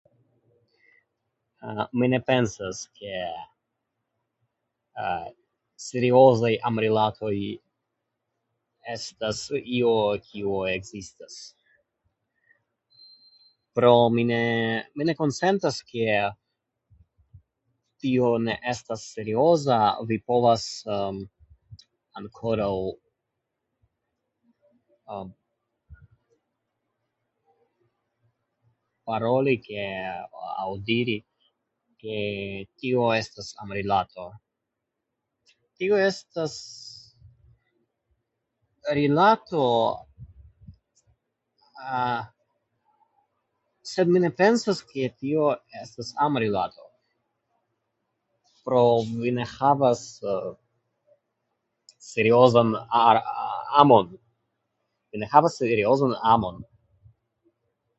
Mi ne pensas, ke seriozaj amrilatoj estas io kio ekzistas. Pro mi ne mi ne konsentas ke tio ne estas serioza, vi povas ankoraŭ... paroli ke aŭ diri kio estas amrilato, kiu estas rilato sed mi ne pensas ke tio estas amrilato... pro mi ne havas seriozan ar- a- amon. Mi ne havas seriozan amon.